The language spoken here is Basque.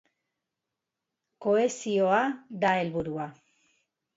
Kohesioa da helburua.